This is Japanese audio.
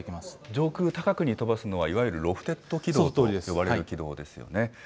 上空高くに飛ばすのは、いわゆるロフテッド軌道と呼ばれる軌道ですよね。